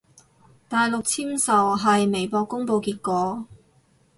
大陸簽售喺微博公佈結果